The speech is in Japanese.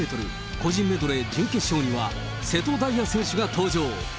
個人メドレー準決勝には、瀬戸大也選手が登場。